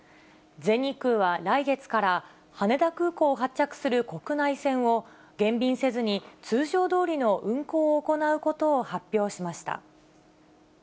全日空は来月から、羽田空港を発着する国内線を、減便せずに通常どおりの運航を行うことを発表しました。